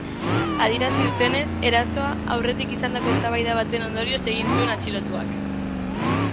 Adierazi dutenez, erasoa aurretik izandako eztabaida baten ondorioz egin zuen atxilotuak.